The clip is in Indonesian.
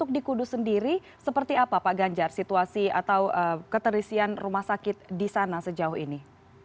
jadi apa pak ganjar situasi atau keterisian rumah sakit di sana sejauh ini